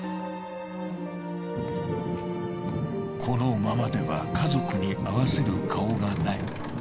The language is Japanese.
このままでは家族に合わせる顔がない。